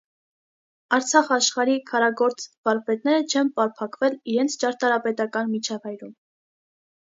Արցախ աշխարհի քարագործ վարպետները չեն պարփակվել իրենց ճարտարապետական միջավայրում։